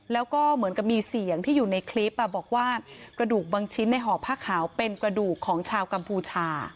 แล้วก็เหมือนกับมีเสียงที่อยู่ในคลิปบอกว่ากระดูกบางชิ้นในห่อผ้าขาวเป็นกระดูกของชาวกัมพูชา